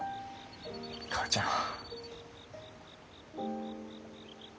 母ちゃん。